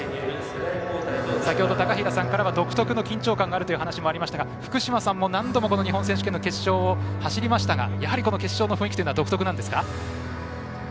先ほど高平さんからは独特の緊張感があるという話もありましたが、福島さんも何度もこの日本選手権の決勝を走りましたが決勝の雰囲気独特なんですか？